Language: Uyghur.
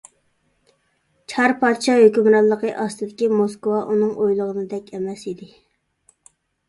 چار پادىشاھ ھۆكۈمرانلىقى ئاستىدىكى موسكۋا ئۇنىڭ ئويلىغىنىدەك ئەمەس ئىدى.